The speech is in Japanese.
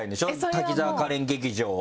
滝沢カレン劇場を。